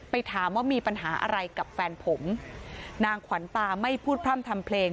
ไปถามว่ามีปัญหาอะไรกับแฟนผมนางขวัญตาไม่พูดพร่ำทำเพลง